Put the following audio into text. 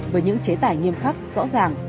với những chế tải nghiêm khắc rõ ràng